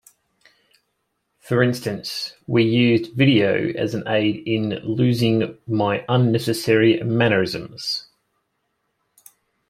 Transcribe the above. For instance, we used video as an aid in losing my unnecessary mannerisms.